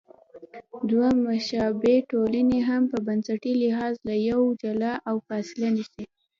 دوه مشابه ټولنې هم په بنسټي لحاظ له یو بله جلا او فاصله نیسي.